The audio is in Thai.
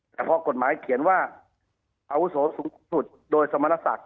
แต่พอกฎหมายเขียนว่าอาวุโสสูงสุดโดยสมณศักดิ